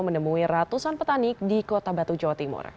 menemui ratusan petani di kota batu jawa timur